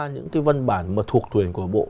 những cái văn bản mà thuộc thuyền của bộ